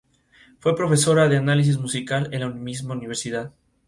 Los cineastas sabían que habría comparaciones con la heroína de "Alien", Ellen Ripley.